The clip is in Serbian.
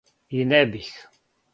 И не бих.